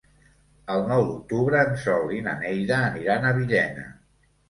El nou d'octubre en Sol i na Neida aniran a Villena.